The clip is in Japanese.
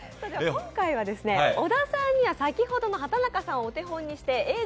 今回は小田さんには先ほどの畑中さんをお手本にして、Ａぇ！